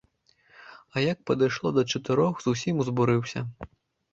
А як падышло да чатырох, зусім узбурыўся.